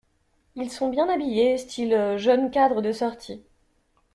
Ils sont bien habillés, style jeunes cadres de sortie.